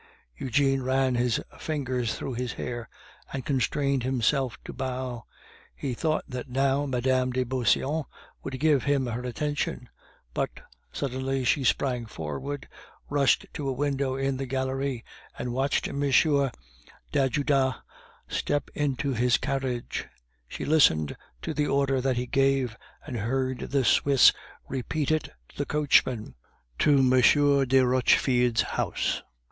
Eugene ran his fingers through his hair, and constrained himself to bow. He thought that now Mme. de Beauseant would give him her attention; but suddenly she sprang forward, rushed to a window in the gallery, and watched M. d'Ajuda step into his carriage; she listened to the order that he gave, and heard the Swiss repeat it to the coachman: "To M. de Rochefide's house."